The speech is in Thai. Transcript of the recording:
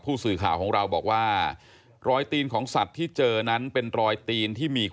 ตรงกล้วยแล้วแมวยังหายไปอีก